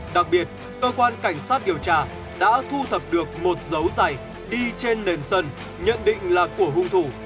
đặc biệt cơ quan cảnh sát điều tra đã thu thập được một dấu dày đi trên nền sân nhận định là của hung thủ